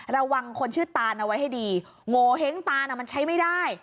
ระวังคนชื่อตานเอาไว้ให้ดีโงเห้งตานมันใช้ไม่ได้